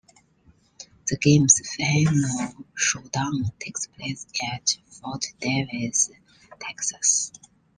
The game's final showdown takes place at Fort Davis, Texas.